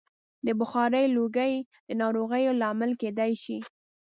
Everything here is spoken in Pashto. د بخارۍ لوګی د ناروغیو لامل کېدای شي.